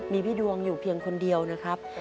มีพี่ดวงอยู่เพียงคนเดียวนะครับ